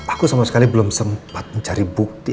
aku sama sekali belum sempat mencari bukti